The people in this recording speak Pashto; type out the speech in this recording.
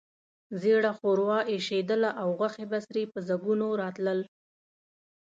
ژېړه ښوروا اېشېدله او غوښې بڅري په ځګونو راتلل.